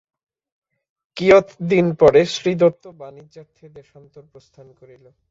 কিয়ৎ দিন পরে শ্রীদত্ত বাণিজ্যার্থে দেশান্তর প্রস্থান করিল।